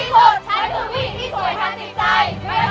เธอจะแก่แค่ไหนแต่ฉันจะไม่แก่ตามแก่